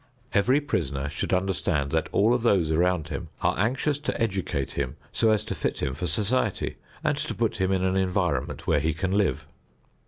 Every prisoner should understand that all of those around him are anxious to educate him so as to fit him for society and to put him in an environment where he can live.